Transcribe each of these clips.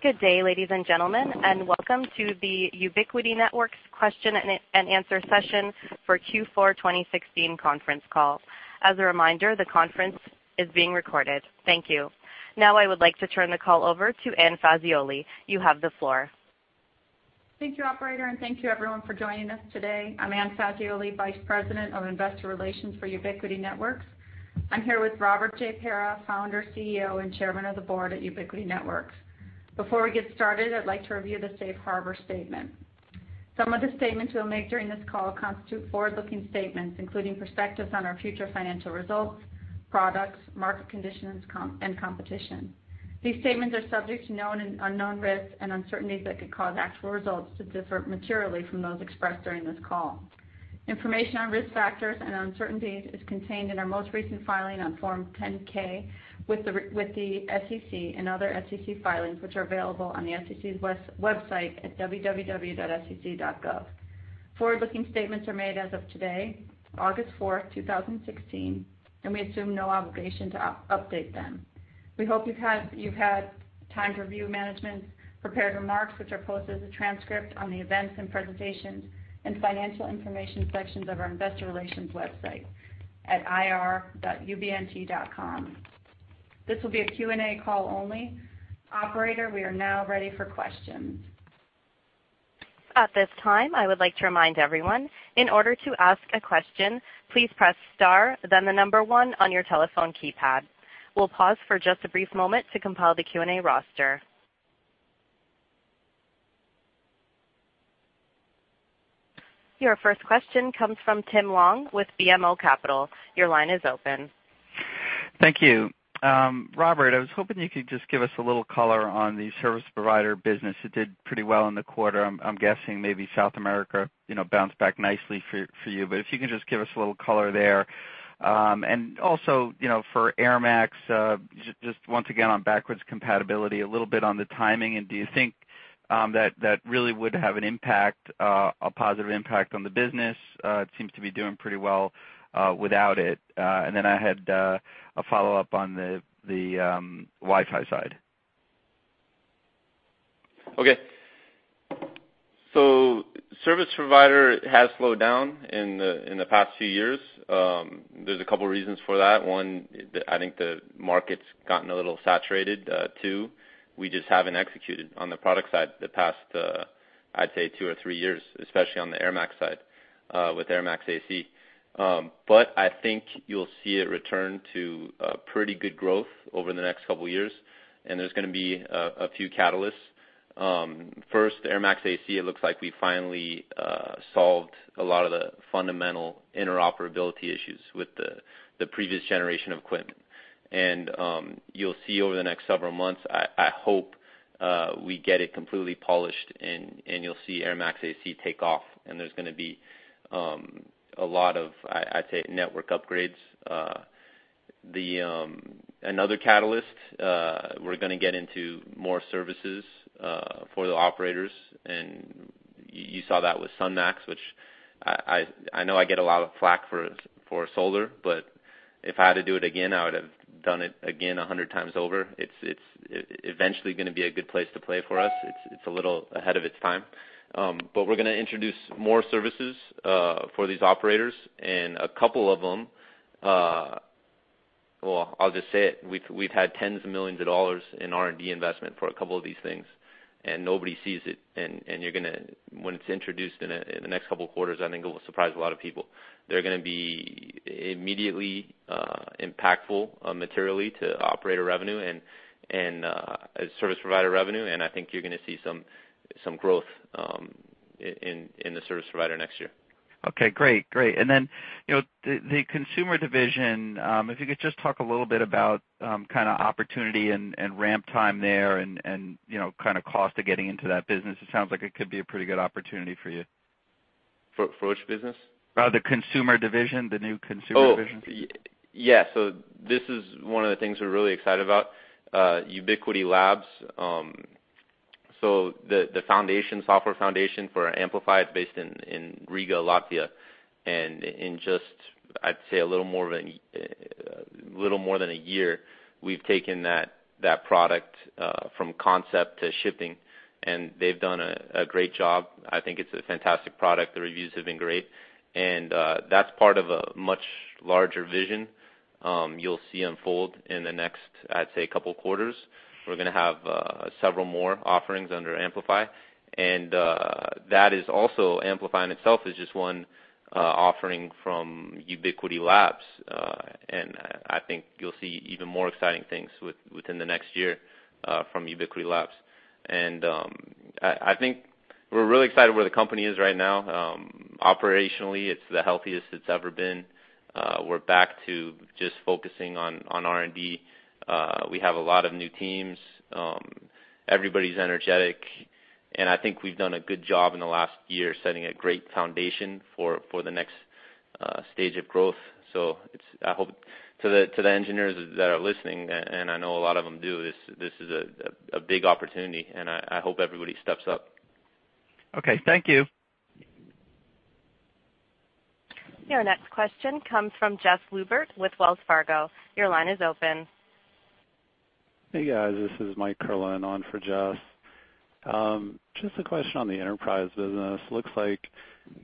Good day, ladies and gentlemen, and welcome to the Ubiquiti Networks question and answer session for Q4 2016 conference call. As a reminder, the conference is being recorded. Thank you. Now I would like to turn the call over to Anne Fazioli. You have the floor. Thank you, Operator, and thank you, everyone, for joining us today. I'm Anne Fazioli, Vice President of Investor Relations for Ubiquiti Networks. I'm here with Robert J. Pera, Founder, CEO, and Chairman of the Board at Ubiquiti Networks. Before we get started, I'd like to review the Safe Harbor Statement. Some of the statements we'll make during this call constitute forward-looking statements, including perspectives on our future financial results, products, market conditions, and competition. These statements are subject to known and unknown risks and uncertainties that could cause actual results to differ materially from those expressed during this call. Information on risk factors and uncertainties is contained in our most recent filing on Form 10-K with the SEC and other SEC filings, which are available on the SEC's website at www.sec.gov. Forward-looking statements are made as of today, August 4th, 2016, and we assume no obligation to update them. We hope you've had time to review management's prepared remarks, which are posted as a transcript on the events and presentations and financial information sections of our Investor Relations website at ir.ubnt.com. This will be a Q&A call only. Operator, we are now ready for questions. At this time, I would like to remind everyone, in order to ask a question, please press star, then the number one on your telephone keypad. We'll pause for just a brief moment to compile the Q&A roster. Your first question comes from Tim Long with BMO Capital. Your line is open. Thank you. Robert, I was hoping you could just give us a little color on the service provider business. It did pretty well in the quarter. I'm guessing maybe South America bounced back nicely for you, but if you can just give us a little color there. Also for airMAX, just once again on backwards compatibility, a little bit on the timing, and do you think that really would have an impact, a positive impact on the business? It seems to be doing pretty well without it. I had a follow-up on the Wi-Fi side. Okay. Service provider has slowed down in the past few years. There's a couple of reasons for that. One, I think the market's gotten a little saturated. Two, we just haven't executed on the product side the past, I'd say, two or three years, especially on the airMAX side with airMAX AC. I think you'll see a return to pretty good growth over the next couple of years, and there's going to be a few catalysts. First, airMAX AC, it looks like we finally solved a lot of the fundamental interoperability issues with the previous generation of equipment. You'll see over the next several months, I hope we get it completely polished, and you'll see airMAX AC take off, and there's going to be a lot of, I'd say, network upgrades. Another catalyst, we're going to get into more services for the operators, and you saw that with SunMAX, which I know I get a lot of flack for solar, but if I had to do it again, I would have done it again a hundred times over. It is eventually going to be a good place to play for us. It is a little ahead of its time. We are going to introduce more services for these operators, and a couple of them—well, I will just say it—we have had tens of millions of dollars in R&D investment for a couple of these things, and nobody sees it. You are going to—when it is introduced in the next couple of quarters, I think it will surprise a lot of people. They're going to be immediately impactful materially to operator revenue and service provider revenue, and I think you're going to see some growth in the service provider next year. Okay. Great. Great. If you could just talk a little bit about kind of opportunity and ramp time there and kind of cost of getting into that business. It sounds like it could be a pretty good opportunity for you. For which business? The consumer division, the new consumer division. Oh. Yeah. This is one of the things we're really excited about: Ubiquiti Labs. The software foundation for Amplify is based in Riga, Latvia. In just, I'd say, a little more than a year, we've taken that product from concept to shipping, and they've done a great job. I think it's a fantastic product. The reviews have been great. That is part of a much larger vision you'll see unfold in the next, I'd say, couple of quarters. We're going to have several more offerings under Amplify. Amplify in itself is just one offering from Ubiquiti Labs, and I think you'll see even more exciting things within the next year from Ubiquiti Labs. I think we're really excited where the company is right now. Operationally, it's the healthiest it's ever been. We're back to just focusing on R&D. We have a lot of new teams. Everybody's energetic, and I think we've done a good job in the last year setting a great foundation for the next stage of growth. I hope—to the engineers that are listening, and I know a lot of them do—this is a big opportunity, and I hope everybody steps up. Okay. Thank you. Your next question comes from Jeff Lubert with Wells Fargo. Your line is open. Hey, guys. This is Mike Kerlin on for Jeff. Just a question on the enterprise business. Looks like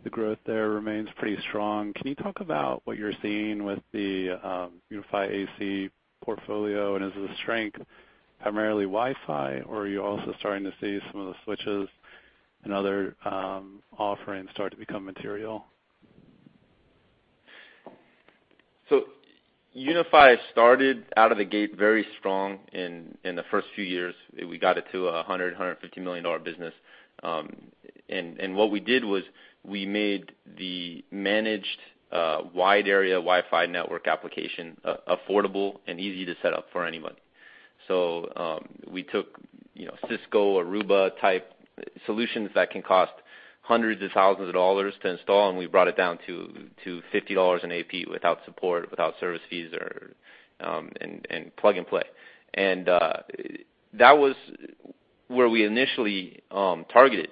the growth there remains pretty strong. Can you talk about what you're seeing with the UniFi AC portfolio, and is the strength primarily Wi-Fi, or are you also starting to see some of the switches and other offerings start to become material? Unified started out of the gate very strong. In the first few years, we got it to a $100 to $150 million business. What we did was we made the managed wide-area Wi-Fi network application affordable and easy to set up for anybody. We took Cisco Aruba-type solutions that can cost hundreds of thousands of dollars to install, and we brought it down to $50 an AP without support, without service fees, and plug and play. That was where we initially targeted,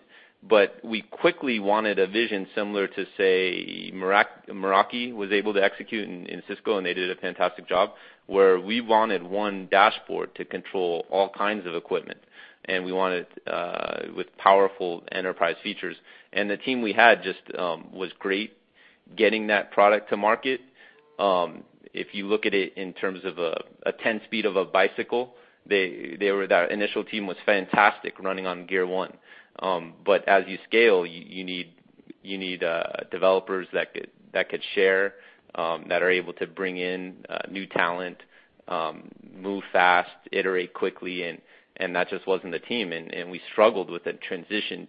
but we quickly wanted a vision similar to, say, Meraki was able to execute in Cisco, and they did a fantastic job, where we wanted one dashboard to control all kinds of equipment, and we wanted it with powerful enterprise features. The team we had just was great getting that product to market. If you look at it in terms of a 10-speed of a bicycle, that initial team was fantastic running on gear one. As you scale, you need developers that could share, that are able to bring in new talent, move fast, iterate quickly, and that just wasn't the team. We struggled with the transition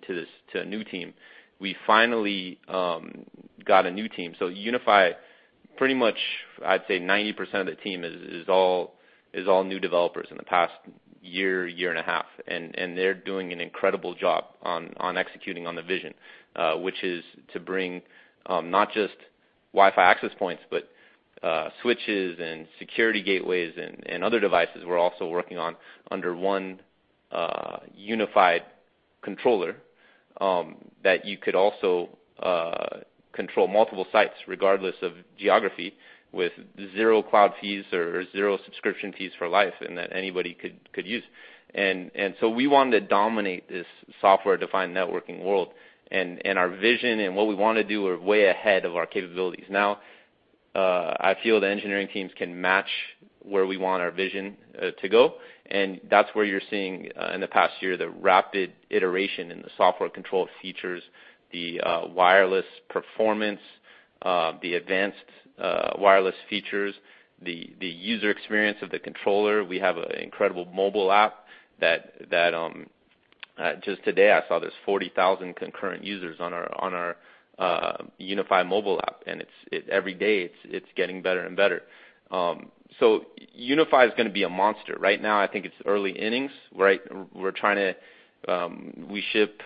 to a new team. We finally got a new team. So UniFi, pretty much, I'd say 90% of the team is all new developers in the past year, year and a half, and they're doing an incredible job on executing on the vision, which is to bring not just Wi-Fi access points, but switches and security gateways and other devices we're also working on under one unified controller that you could also control multiple sites regardless of geography with zero cloud fees or zero subscription fees for life and that anybody could use. We wanted to dominate this software-defined networking world, and our vision and what we want to do are way ahead of our capabilities. Now, I feel the engineering teams can match where we want our vision to go, and that is where you are seeing in the past year the rapid iteration in the software-controlled features, the wireless performance, the advanced wireless features, the user experience of the controller. We have an incredible mobile app that just today I saw there are 40,000 concurrent users on our UniFi mobile app, and every day it is getting better and better. UniFi is going to be a monster. Right now, I think it is early innings. We are trying to—we ship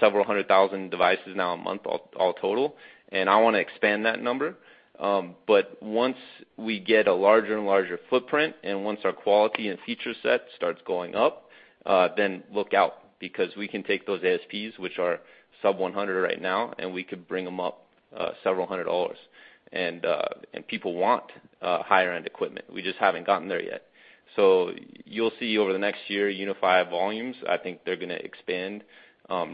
several hundred thousand devices now a month all total, and I want to expand that number. Once we get a larger and larger footprint and once our quality and feature set starts going up, then look out because we can take those ASPs, which are sub-$100 right now, and we could bring them up several hundred dollars. People want higher-end equipment. We just haven't gotten there yet. You'll see over the next year UniFi volumes, I think they're going to expand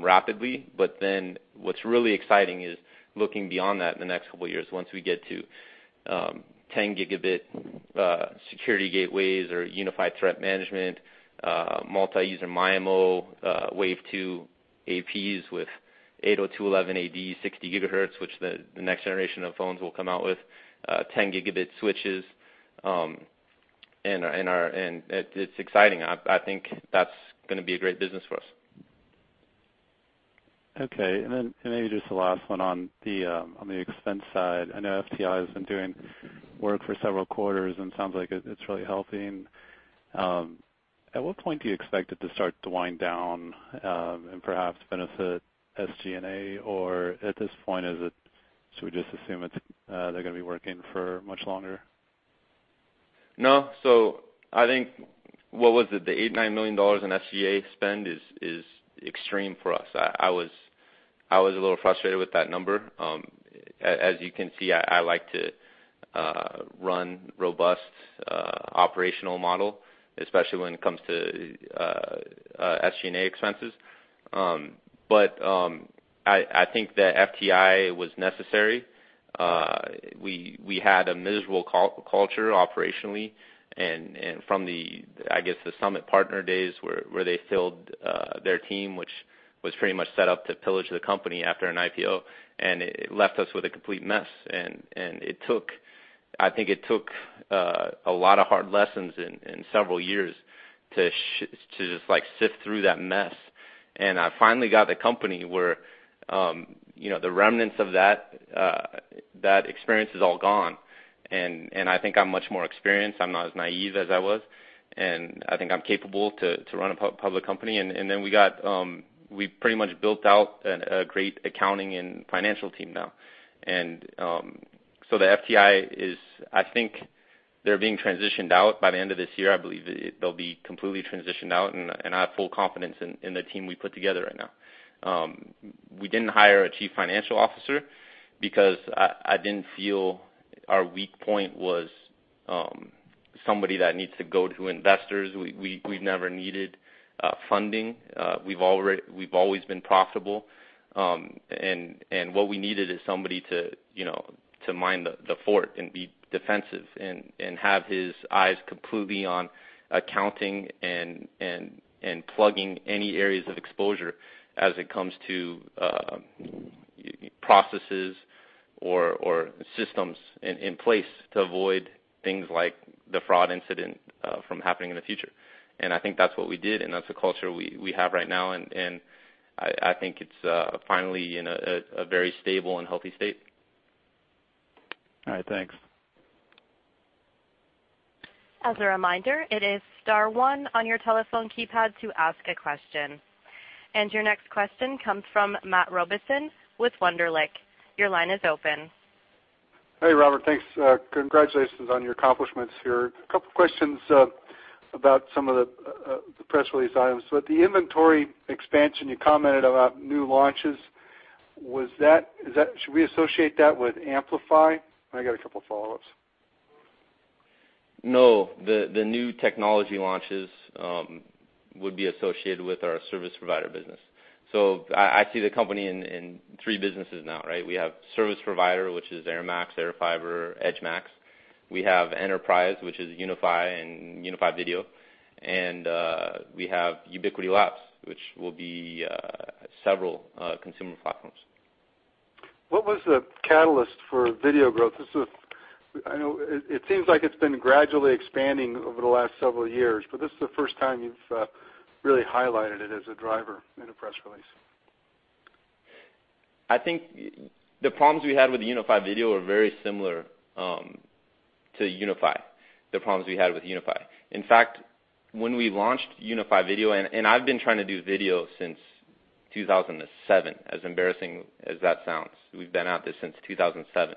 rapidly. What's really exciting is looking beyond that in the next couple of years once we get to 10 Gb security gateways or unified threat management, multi-user MIMO, Wave 2 APs with 802.11ad 60 GHz, which the next generation of phones will come out with, 10 Gb switches. It's exciting. I think that's going to be a great business for us. Okay. Maybe just the last one on the expense side. I know FTI has been doing work for several quarters, and it sounds like it's really healthy. At what point do you expect it to start to wind down and perhaps benefit SG&A? At this point, should we just assume they're going to be working for much longer? No. I think, what was it? The $8 million, $9 million in SG&A spend is extreme for us. I was a little frustrated with that number. As you can see, I like to run a robust operational model, especially when it comes to SG&A expenses. I think that FTI was necessary. We had a miserable culture operationally from, I guess, the Summit Partners days where they filled their team, which was pretty much set up to pillage the company after an IPO, and it left us with a complete mess. I think it took a lot of hard lessons in several years to just sift through that mess. I finally got the company where the remnants of that experience is all gone, and I think I'm much more experienced. I'm not as naive as I was, and I think I'm capable to run a public company. We pretty much built out a great accounting and financial team now. The FTI is, I think they're being transitioned out by the end of this year. I believe they'll be completely transitioned out, and I have full confidence in the team we put together right now. We didn't hire a Chief Financial Officer because I didn't feel our weak point was somebody that needs to go to investors. We've never needed funding. We've always been profitable. What we needed is somebody to mind the fort and be defensive and have his eyes completely on accounting and plugging any areas of exposure as it comes to processes or systems in place to avoid things like the fraud incident from happening in the future. I think that's what we did, and that's the culture we have right now. I think it's finally in a very stable and healthy state. All right. Thanks. As a reminder, it is star one on your telephone keypad to ask a question. Your next question comes from Matt Robison with Wunderlich. Your line is open. Hey, Robert. Thanks. Congratulations on your accomplishments here. A couple of questions about some of the press release items. The inventory expansion, you commented about new launches. Should we associate that with Amplify? I got a couple of follow-ups. No. The new technology launches would be associated with our service provider business. I see the company in three businesses now, right? We have service provider, which is airMAX, airFiber, EdgeMAX. We have enterprise, which is UniFi and UniFi Video. We have Ubiquiti Labs, which will be several consumer platforms. What was the catalyst for video growth? It seems like it's been gradually expanding over the last several years, but this is the first time you've really highlighted it as a driver in a press release. I think the problems we had with UniFi Video are very similar to UniFi, the problems we had with UniFi. In fact, when we launched UniFi Video—I have been trying to do video since 2007, as embarrassing as that sounds—we have been at this since 2007.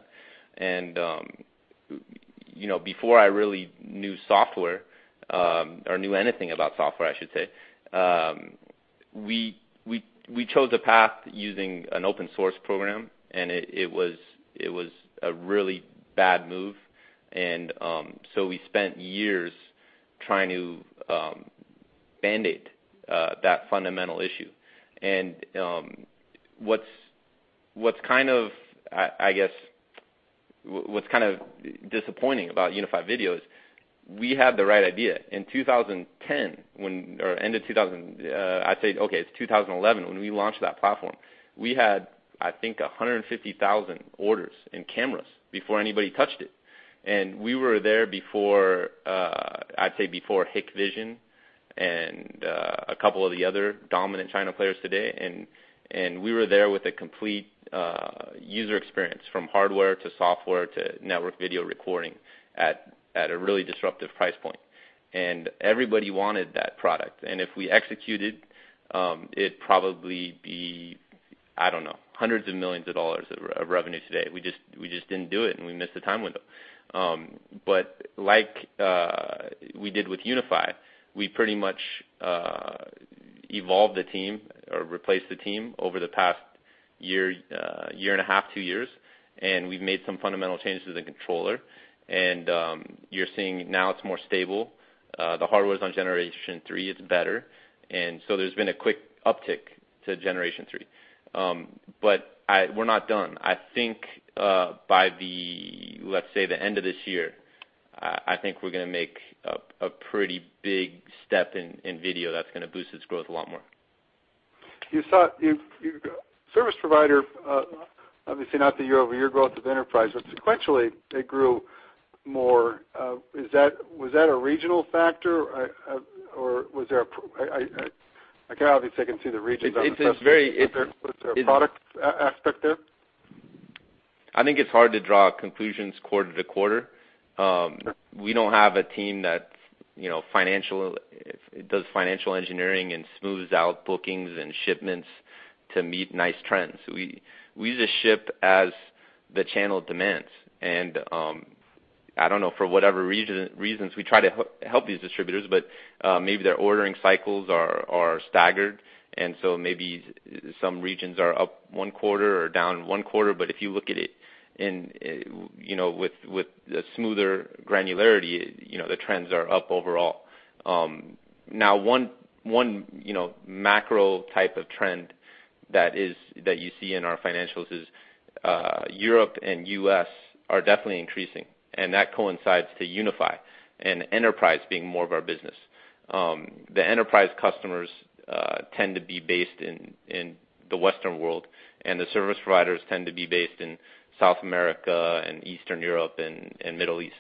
Before I really knew software or knew anything about software, I should say, we chose a path using an open-source program, and it was a really bad move. We spent years trying to band-aid that fundamental issue. What is kind of, I guess, what is kind of disappointing about UniFi Video is we had the right idea. In 2010, or end of 2010, I would say, okay, it is 2011 when we launched that platform, we had, I think, 150,000 orders in cameras before anybody touched it. We were there before, I'd say, before Hikvision and a couple of the other dominant China players today. We were there with a complete user experience from hardware to software to network video recording at a really disruptive price point. Everybody wanted that product. If we executed, it'd probably be, I don't know, hundreds of millions of dollars of revenue today. We just didn't do it, and we missed the time window. Like we did with UniFi, we pretty much evolved the team or replaced the team over the past year, year and a half, two years, and we've made some fundamental changes to the controller. You're seeing now it's more stable. The hardware's on generation three. It's better. There's been a quick uptick to generation three. We're not done. I think by the, let's say, the end of this year, I think we're going to make a pretty big step in video that's going to boost its growth a lot more. You saw your service provider, obviously, not the year-over-year growth of enterprise, but sequentially it grew more. Was that a regional factor, or was there a—I cannot obviously see the regions. It's a very. Is there a product aspect there? I think it's hard to draw conclusions quarter to quarter. We don't have a team that does financial engineering and smooths out bookings and shipments to meet nice trends. We just ship as the channel demands. I don't know, for whatever reasons, we try to help these distributors, but maybe their ordering cycles are staggered, and so maybe some regions are up one quarter or down one quarter. If you look at it with a smoother granularity, the trends are up overall. Now, one macro type of trend that you see in our financials is Europe and U.S. are definitely increasing, and that coincides to UniFi and enterprise being more of our business. The enterprise customers tend to be based in the Western world, and the service providers tend to be based in South America and Eastern Europe and Middle East.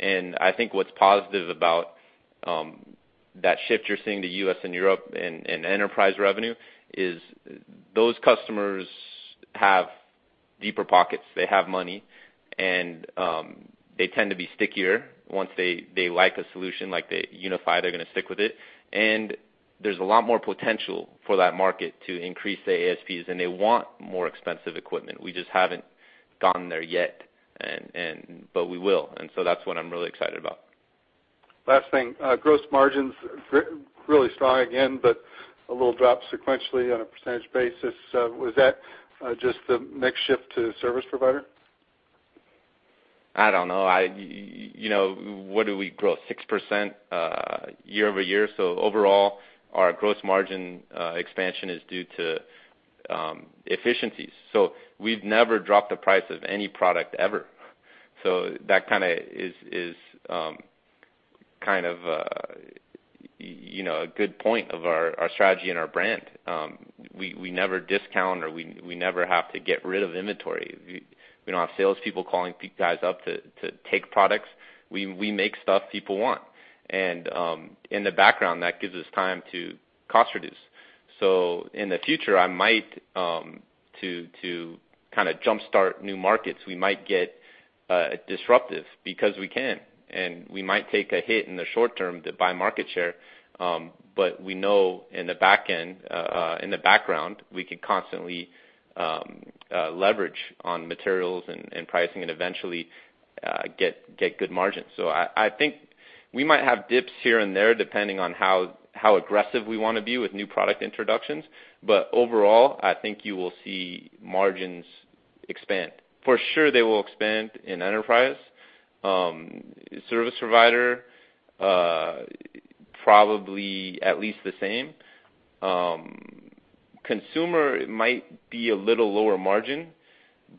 I think what's positive about that shift you're seeing to U.S. and Europe in enterprise revenue is those customers have deeper pockets. They have money, and they tend to be stickier. Once they like a solution like UniFi, they're going to stick with it. There's a lot more potential for that market to increase their ASPs, and they want more expensive equipment. We just haven't gotten there yet, but we will. That's what I'm really excited about. Last thing. Gross margins really strong again, but a little drop sequentially on a percentage basis. Was that just the next shift to service provider? I don't know. What do we grow? 6% year over year. Overall, our gross margin expansion is due to efficiencies. We've never dropped the price of any product ever. That kind of is kind of a good point of our strategy and our brand. We never discount, or we never have to get rid of inventory. We don't have salespeople calling guys up to take products. We make stuff people want. In the background, that gives us time to cost reduce. In the future, I might, to kind of jump-start new markets, we might get disruptive because we can. We might take a hit in the short term to buy market share, but we know in the background, we can constantly leverage on materials and pricing and eventually get good margins. I think we might have dips here and there depending on how aggressive we want to be with new product introductions. Overall, I think you will see margins expand. For sure, they will expand in enterprise. Service provider, probably at least the same. Consumer might be a little lower margin,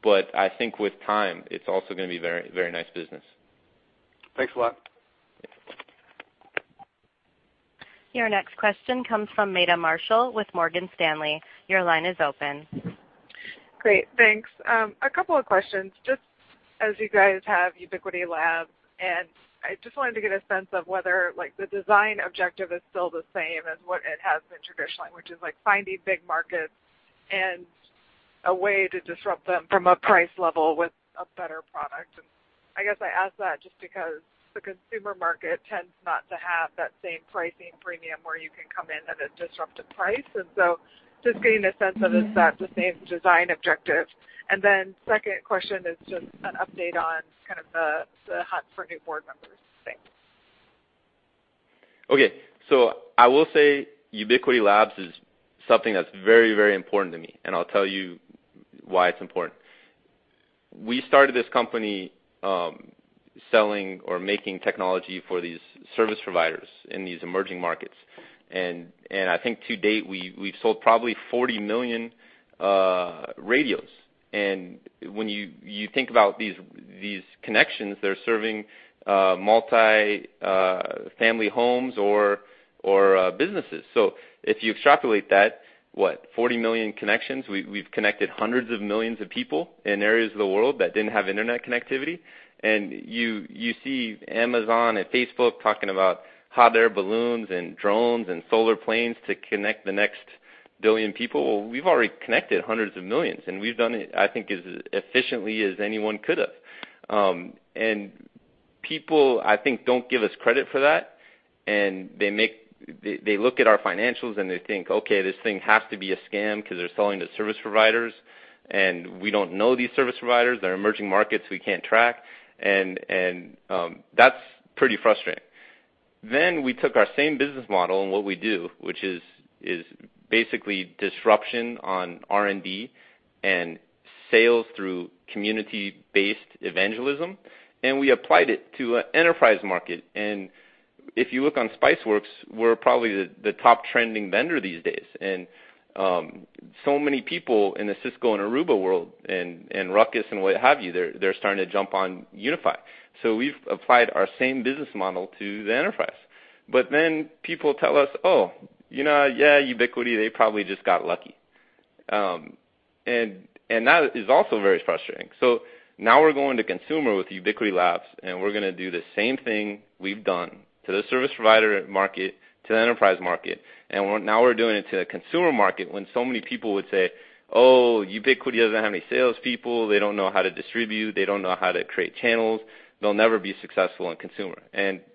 but I think with time, it's also going to be a very nice business. Thanks a lot. Your next question comes from Meta Marshall with Morgan Stanley. Your line is open. Great. Thanks. A couple of questions. Just as you guys have Ubiquiti Labs, and I just wanted to get a sense of whether the design objective is still the same as what it has been traditionally, which is finding big markets and a way to disrupt them from a price level with a better product. I guess I ask that just because the consumer market tends not to have that same pricing premium where you can come in at a disruptive price. Just getting a sense of is that the same design objective? Second question is just an update on kind of the hunt for new board members. Thanks. Okay. I will say Ubiquiti Labs is something that's very, very important to me, and I'll tell you why it's important. We started this company selling or making technology for these service providers in these emerging markets. I think to date, we've sold probably 40 million radios. When you think about these connections, they're serving multi-family homes or businesses. If you extrapolate that, what, 40 million connections? We've connected hundreds of millions of people in areas of the world that didn't have internet connectivity. You see Amazon and Facebook talking about hot air balloons and drones and solar planes to connect the next billion people. We've already connected hundreds of millions, and we've done it, I think, as efficiently as anyone could have. People, I think, don't give us credit for that. They look at our financials, and they think, "Okay, this thing has to be a scam because they're selling to service providers, and we don't know these service providers. They're emerging markets. We can't track." That is pretty frustrating. We took our same business model and what we do, which is basically disruption on R&D and sales through community-based evangelism, and we applied it to an enterprise market. If you look on Spiceworks, we're probably the top trending vendor these days. So many people in the Cisco and Aruba world and Ruckus and what have you, they're starting to jump on UniFi. We have applied our same business model to the enterprise. People tell us, "Oh, yeah, Ubiquiti, they probably just got lucky." That is also very frustrating. We're going to consumer with Ubiquiti Labs, and we're going to do the same thing we've done to the service provider market, to the enterprise market. Now we're doing it to the consumer market when so many people would say, "Oh, Ubiquiti doesn't have any salespeople. They don't know how to distribute. They don't know how to create channels. They'll never be successful in consumer."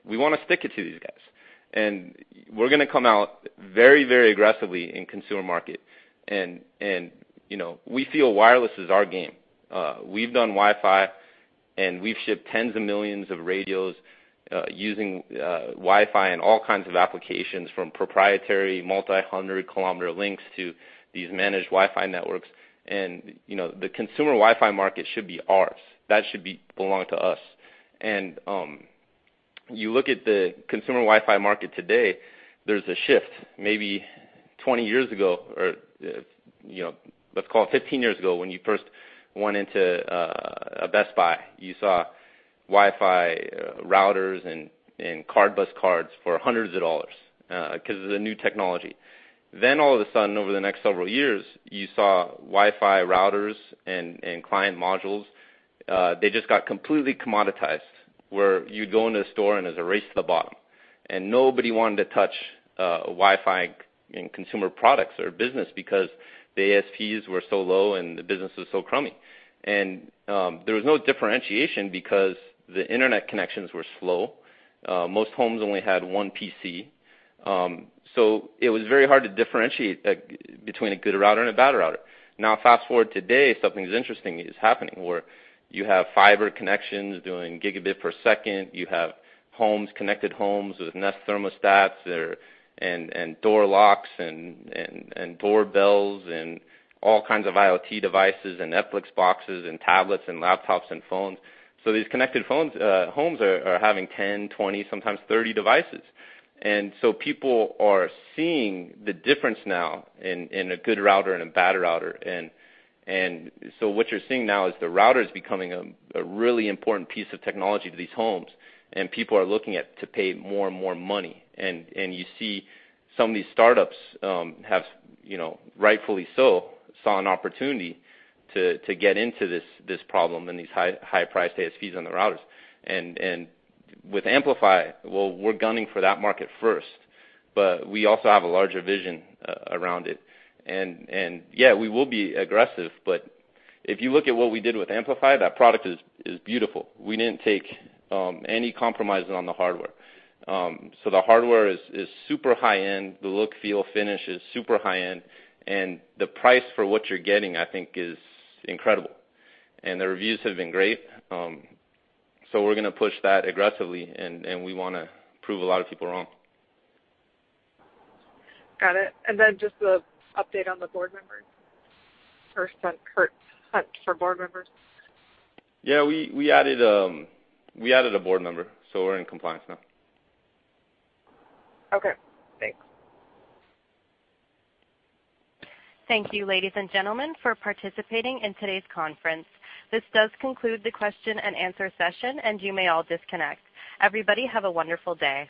We want to stick it to these guys. We're going to come out very, very aggressively in the consumer market. We feel wireless is our game. We've done Wi-Fi, and we've shipped tens of millions of radios using Wi-Fi in all kinds of applications from proprietary multi-hundred kilometer links to these managed Wi-Fi networks. The consumer Wi-Fi market should be ours. That should belong to us. You look at the consumer Wi-Fi market today, there's a shift. Maybe 20 years ago, or let's call it 15 years ago, when you first went into a Best Buy, you saw Wi-Fi routers and CardBus cards for hundreds of dollars because it was a new technology. Then all of a sudden, over the next several years, you saw Wi-Fi routers and client modules. They just got completely commoditized where you'd go into a store, and it was a race to the bottom. Nobody wanted to touch Wi-Fi and consumer products or business because the ASPs were so low and the business was so crummy. There was no differentiation because the internet connections were slow. Most homes only had one PC. It was very hard to differentiate between a good router and a bad router. Now, fast forward to today, something interesting is happening where you have fiber connections doing gigabit per second. You have connected homes with Nest thermostats and door locks and doorbells and all kinds of IoT devices and Netflix boxes and tablets and laptops and phones. These connected homes are having 10, 20, sometimes 30 devices. People are seeing the difference now in a good router and a bad router. What you are seeing now is the router is becoming a really important piece of technology to these homes, and people are looking to pay more and more money. You see some of these startups have, rightfully so, saw an opportunity to get into this problem and these high-priced ASPs on the routers. With Amplify, we are gunning for that market first, but we also have a larger vision around it. Yeah, we will be aggressive, but if you look at what we did with Amplify, that product is beautiful. We did not take any compromises on the hardware. The hardware is super high-end. The look, feel, finish is super high-end. The price for what you are getting, I think, is incredible. The reviews have been great. We are going to push that aggressively, and we want to prove a lot of people wrong. Got it. Just the update on the board members or hunt for board members? Yeah. We added a board member, so we're in compliance now. Okay. Thanks. Thank you, ladies and gentlemen, for participating in today's conference. This does conclude the question and answer session, and you may all disconnect. Everybody, have a wonderful day.